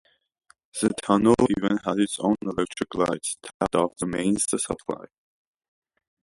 The tunnel even had its own electric lights, tapped off the mains supply.